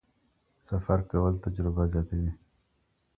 سفر کول تجربه زياتوي.